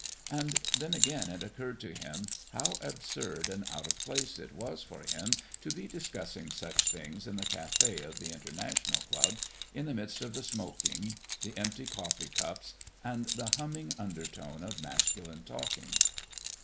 And then again it occurred to him how absurd and out of place it was for him to be discussing such things in the café of the International Club, in the midst of the smoking, the empty coffee cups, and the humming undertone of masculine talking.